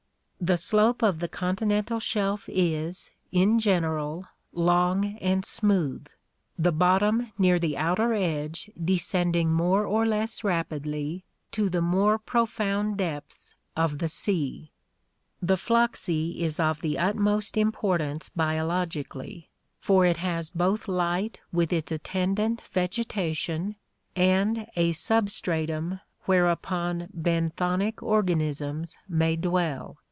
The slope of the continental shelf is, in general, long and smooth, the bottom near the outer edge descending more or less rapidly to the more profound depths of the sea (see diagram, Fig. 10). The Flachsee is of the utmost importance biologically, for it has both light with its attendant vegetation, and a substratum whereupon benthonic organisms may dwell.